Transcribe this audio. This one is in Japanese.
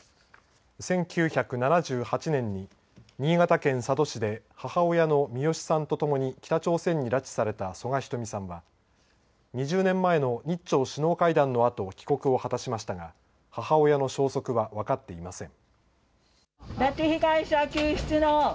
１９７８年に新潟県佐渡市で母親のミヨシさんとともに北朝鮮に拉致された曽我ひとみさんは２０年前の日朝首脳会談のあと帰国を果たしましたが母親の消息は分かっていません。